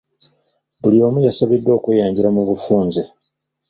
Buli omu yasabiddwa okweyanjula mu bufunze .